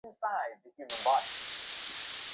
দমকল কর্মীরা একটা পরিবারের মত।